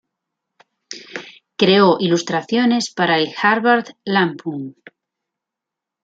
Creó ilustraciones para el Harvard Lampoon.